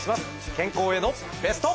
健康へのベスト。